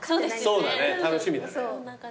そうだね楽しみだね。